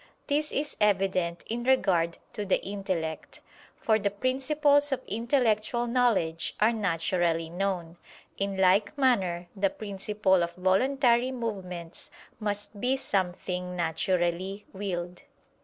This is evident in regard to the intellect: for the principles of intellectual knowledge are naturally known. In like manner the principle of voluntary movements must be something naturally willed.